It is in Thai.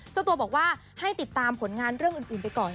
เจ้าตัวบอกว่าให้ติดตามผลงานเรื่องอื่นไปก่อน